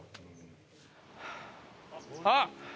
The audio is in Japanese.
あっ！